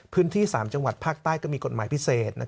พื้นที่๓จังหวัดภาคใต้ก็มีกฎหมายพิเศษ